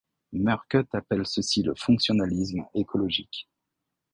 Murcutt appelle ceci le fonctionnalisme écologique.